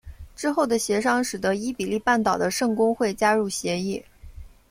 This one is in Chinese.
之后的协商使得伊比利半岛的圣公会加入协议。